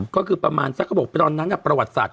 ก็คือประมาณสัก๖ปีตอนนั้นกับประวัติศาสตร์